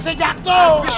wah dia alok alok